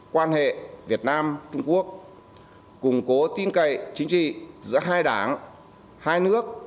quan hệ việt nam trung quốc củng cố tin cậy chính trị giữa hai đảng hai nước